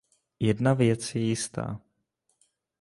Jedna věc je jistá.